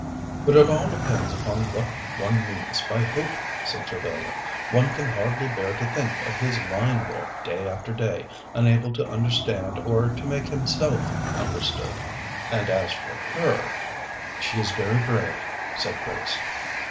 "But it all depends upon what one means by hope," said Trevellyan. "One can hardly bear to think of his lying there day after day, unable to understand or to make himself understood and as for her " "She is very brave," said Grace.